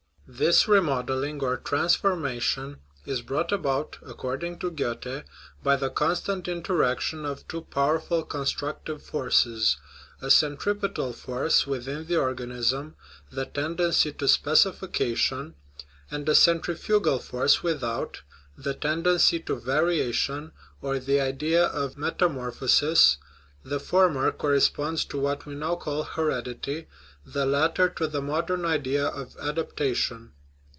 This remodel ling, or transformation, is brought about, according to Goethe, by the constant interaction of two powerful constructive forces a centripetal force within the or ganism, the " tendency to specification," and a centrif ugal force without, the tendency to variation, or the " idea of metamorphosis "; the former corresponds to what we now call heredity, the latter to the modern idea of adaptation.